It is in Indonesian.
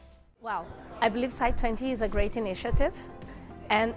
saya percaya citwini adalah inisiatif yang bagus